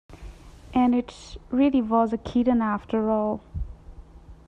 And it really was a kitten, after all.